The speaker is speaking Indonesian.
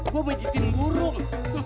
gua bajetin burung